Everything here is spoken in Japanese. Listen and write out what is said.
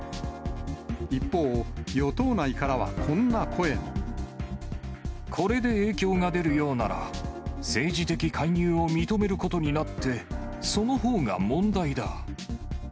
一方、与党内からはこんな声これで影響が出るようなら、政治的介入を認めることになって、そのほうが問題だ。